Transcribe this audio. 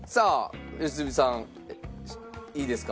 良純さんいいですか？